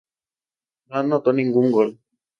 No anotó ningún gol